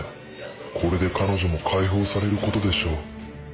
これで彼女も解放されることでしょう。